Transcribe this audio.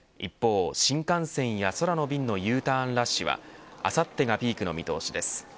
一方、新幹線や空の便のＵターンラッシュはあさってがピークの見通しです。